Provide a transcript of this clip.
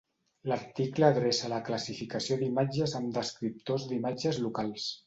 L'article adreça la classificació d'imatges amb descriptors d'imatges locals.